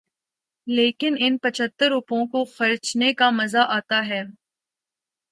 لیکن ان پچھتر روپوں کو خرچنے کا مزہ آتا تھا۔